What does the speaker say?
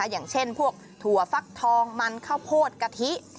อย่างเช่นพวกถั่วฟักทองมันข้าวโพดกะทิ